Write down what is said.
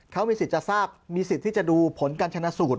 เขามีสิทธิ์จะทราบมีสิทธิ์ที่จะดูผลการชนะสูตร